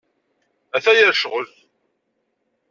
Ata yir ccɣel!